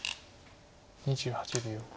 ２８秒。